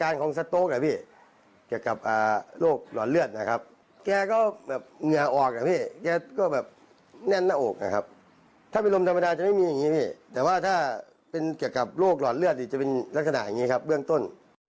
โรคหลอดเลือดจะเป็นลักษณะอย่างนี้ครับเรื่องต้น